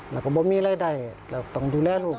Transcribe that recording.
แล้วก็บอกว่าไม่มีไร่เราต้องดูแลลูก